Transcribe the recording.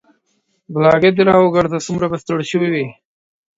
بلاګي د راوګرځه سومره به ستړى شوى وي